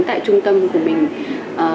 tại trung tâm của mình